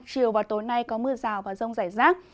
chiều và tối nay có mưa rào và rông rải rác